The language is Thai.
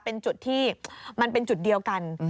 เป็นจุดที่มันเป็นจุดเดียวกัน